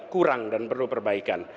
kurang dan perlu perbaikan